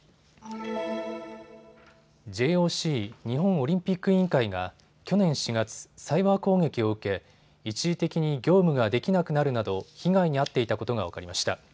ＪＯＣ・日本オリンピック委員会が去年４月、サイバー攻撃を受け、一時的に業務ができなくなるなど被害に遭っていたことが分かりました。